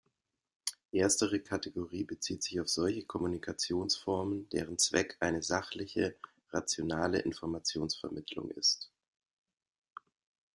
Erstere Kategorie bezieht sich auf solche Kommunikationsformen, deren Zweck eine sachliche, rationale Informationsvermittlung ist.